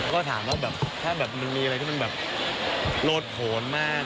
ก็ถามว่าแบบถ้าแบบมันมีอะไรที่มันแบบโลดผลมาก